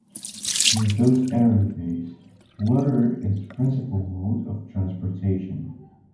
Since those early days, water is the principal mode of transportation.